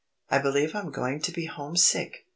I believe I'm going to be homesick!"